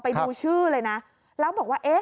ไปดูชื่อเลยแล้วบอกว่า